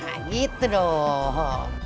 nah gitu dong